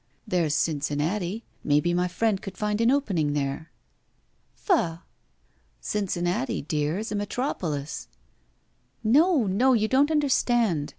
There's Cincinnati. Maybe my friend could find an opening there." Faugh!" Cincinnati, dear, is a metropolis." No, no! You don't understand.